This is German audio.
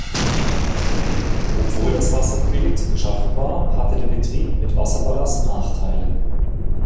Obwohl das Wasser billig zu beschaffen war, hatte der Betrieb mit Wasserballast Nachteile.